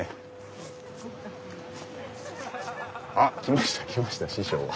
あっ来ました来ました師匠が。